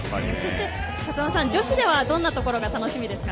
ＫＡＴＳＵＯＮＥさん女子ではどんなところが楽しみですか。